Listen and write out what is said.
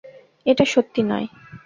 এটা সত্যি নয়!